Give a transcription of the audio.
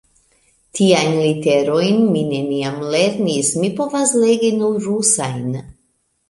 Tiajn literojn mi neniam lernis; mi povas legi nur rusajn.